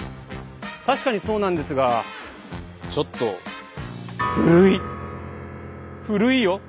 確かにそうなんですがちょっと古いよ。